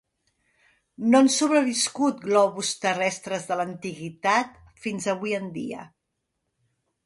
No han sobreviscut globus terrestres de l'Antiguitat fins avui en dia.